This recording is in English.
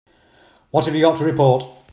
What have you got to report?